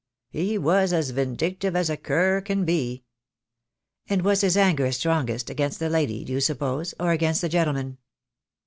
"He was as vindictive as a cur can be." "And was his anger strongest against the lady, do you suppose, or against the gentleman?"